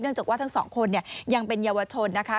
เนื่องจากว่าทั้ง๒คนเนี่ยยังเป็นเยาวชนนะคะ